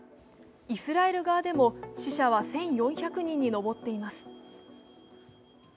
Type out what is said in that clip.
イスラエル側でも死者は１４００人に上っています。